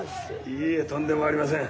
いいえとんでもありません。